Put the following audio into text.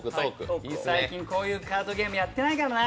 最近、こういうカードゲームやってないからな。